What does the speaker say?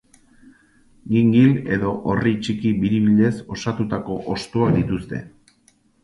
Gingil edo orri txiki biribilez osatutako hostoak dituzte.